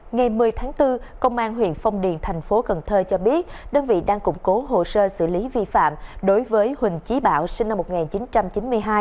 ngày một mươi tháng bốn công an huyện phong điền thành phố cần thơ cho biết đơn vị đang củng cố hồ sơ xử lý vi phạm đối với huỳnh trí bảo sinh năm một nghìn chín trăm chín mươi hai